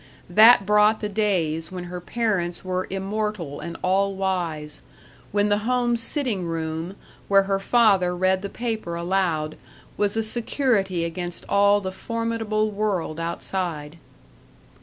That brought the days when her parents were immortal and all wise; when the home sitting room, where her father read the paper aloud, was a security against all the formidable world outside.